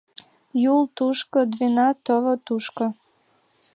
Юл — тушко, Двина — тӧвӧ тушко.